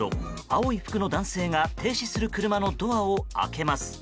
青い服の男性が停止する車のドアを開けます。